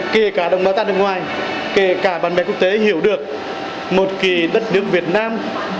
kể cả đồng bào ta nước ngoài kể cả bạn bè quốc tế hiểu được một đất nước việt nam